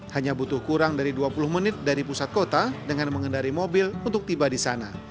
hanya butuh kurang dari dua puluh menit dari pusat kota dengan mengendari mobil untuk tiba di sana